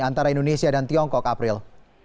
antara indonesia dan tiongkok april